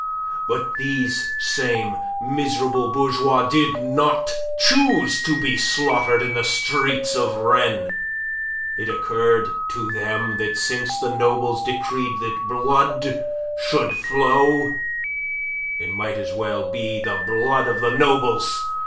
But these same miserable bourgeois did not choose to be slaughtered in the streets of Rennes. It occurred to them that since the nobles decreed that blood should flow, it might as well be the blood of the nobles.